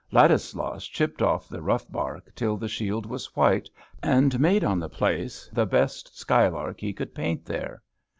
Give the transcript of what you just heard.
Ladislaus chipped off the rough bark till the shield was white, and made on the place the best sky lark he could paint there.